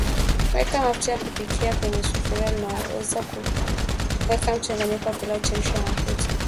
Weka mafuta ya kupikia kwenye sufuria linaloweza kuweka mchanganyiko wa pilau chemsha mafuta